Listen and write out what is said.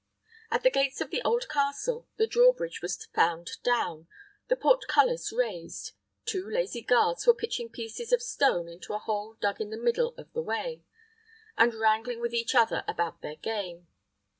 At the gates of the old castle, the draw bridge was found down, the portcullis raised, two lazy guards were pitching pieces of stone into a hole dug in the middle of the way, and wrangling with each other about their game.